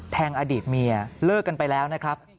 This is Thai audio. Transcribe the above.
อดีตเมียเลิกกันไปแล้วนะครับ